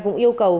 cũng yêu cầu